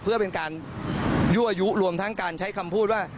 เพื่อเป็นการยั่วยุรวมทั้งการใช้คำพูดว่า